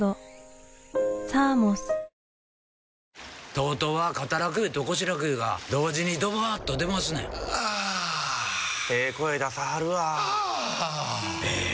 ＴＯＴＯは肩楽湯と腰楽湯が同時にドバーッと出ますねんあええ声出さはるわあええ